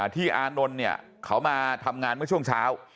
อานนท์เนี่ยเขามาทำงานเมื่อช่วงเช้า